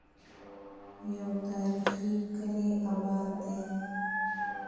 يو تاريخي کلے اباد دی